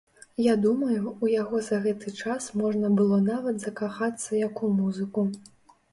Я думаю, у яго за гэты час можна было нават закахацца як у музыку.